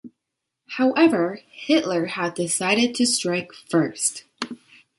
However, Hitler had decided to strike first.